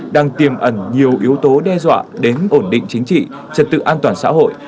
đang tiềm ẩn nhiều yếu tố đe dọa đến ổn định chính trị trật tự an toàn xã hội